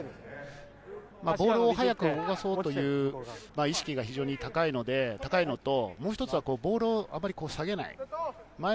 ボールを速く動かそうという意識が非常に高いので、高いのともう一つはあまりボールを下げない。